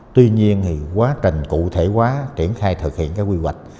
tuy nhiên quá trình cụ thể quá triển khai thực hiện quy hoạch